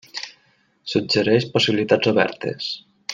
Suggereix possibilitats obertes.